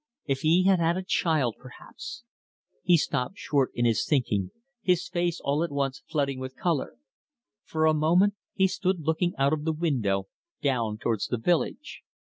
If he had had a child, perhaps He stopped short in his thinking, his face all at once flooding with colour. For a moment he stood looking out of the window down towards the village.